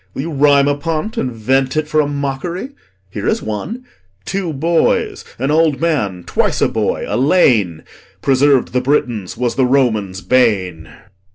Will you rhyme upon't, And vent it for a mock'ry? Here is one: 'Two boys, an old man (twice a boy), a lane, Preserv'd the Britons, was the Romans' bane.'